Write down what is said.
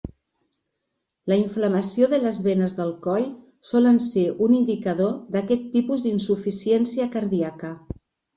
La inflamació de les venes del coll solen ser un indicador d'aquest tipus d'insuficiència cardíaca.